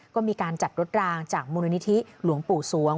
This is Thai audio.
ก็มีการจัดรถรางจากมูลนิธิหลวงปู่สวง